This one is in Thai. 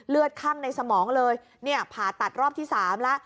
เลือดคั่งในสมองเลยเนี่ยผ่าตัดรอบที่๓ละ